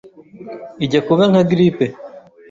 ijya kuba nka grippe